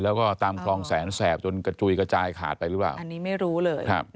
แล้วก็ตามคลองแสนแสบจนกระจุยกระจายขาดไปหรือเปล่าอันนี้ไม่รู้เลยครับ